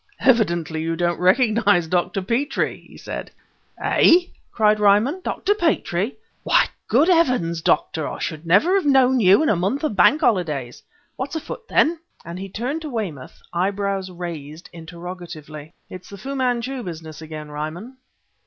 "Evidently you don't recognize Dr. Petrie!" he said. "Eh!" cried Ryman "Dr. Petrie! why, good heavens, Doctor, I should never have known you in a month of Bank holidays! What's afoot, then?" and he turned to Weymouth, eyebrows raised interrogatively. "It's the Fu Manchu business again, Ryman."